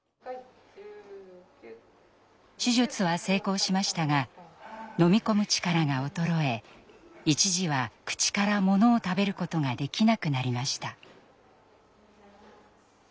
手術は成功しましたが飲み込む力が衰え一時は口からものを食べることができなくなりました。